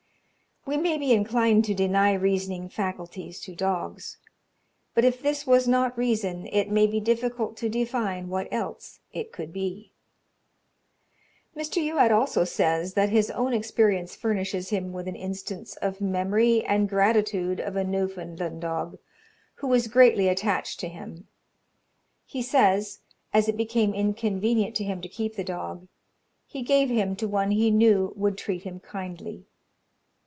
We may be inclined to deny reasoning faculties to dogs; but if this was not reason, it may be difficult to define what else it could be. Mr. Youatt also says, that his own experience furnishes him with an instance of the memory and gratitude of a Newfoundland dog, who was greatly attached to him. He says, as it became inconvenient to him to keep the dog, he gave him to one who he knew would treat him kindly.